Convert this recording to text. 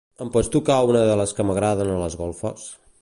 Em pots tocar una de les que m'agraden a les golfes?